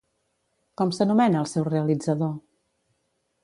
Com s'anomena el seu realitzador?